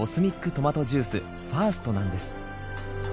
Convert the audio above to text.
トマトジュースｆｉｒｓｔなんです。